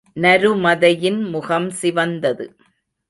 நருமதையின் முகம் சிவந்தது.